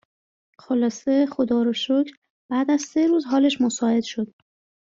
خلاصه خدا رو شکر بعد از سه روز حالش مساعد شد